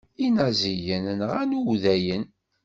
Inaziyen nɣan udayen.